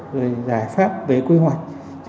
giải pháp về quy hoạch